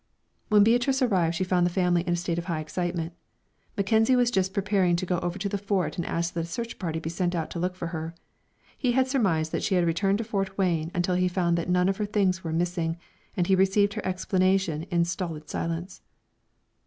When Beatrice arrived, she found the family in a state of high excitement. Mackenzie was just preparing to go over to the Fort and ask that a search party be sent out to look for her. He had surmised that she had returned to Fort Wayne until he found that none of her things were missing, and he received her explanation in stolid silence.